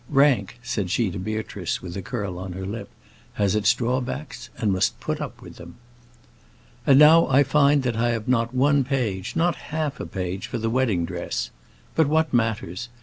"Rank," said she to Beatrice, with a curl on her lip, "has its drawbacks and must put up with them." And now I find that I have not one page not half a page for the wedding dress. But what matters?